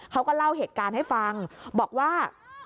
เขาก็เล่าเหตุการณ์ให้ฟังบอกว่า